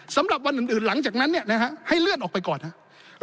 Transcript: สำหรับวันอื่นหลังจากนั้นให้เลือดออกไปก่อนนะครับ